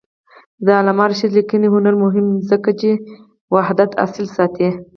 د علامه رشاد لیکنی هنر مهم دی ځکه چې وحدت اصل ساتي.